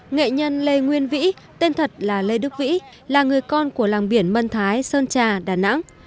nghệ nhân lê nguyên vĩ tên thật là lê đức vĩ là người con của làng biển mân thái sơn trà đà nẵng